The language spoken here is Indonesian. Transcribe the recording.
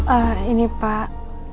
ah ini pak